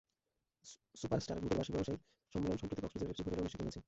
Super star গ্রুপের বার্ষিক ব্যবসায়িক সম্মেলন সম্প্রতি কক্সবাজারের একটি হোটেলে অনুষ্ঠিত হয়েছে।